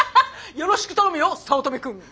よろしく頼むよ早乙女くん。